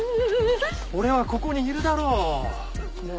俺はここにいるだろう。